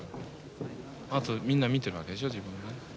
あとみんなは見てるわけでしょ自分をね。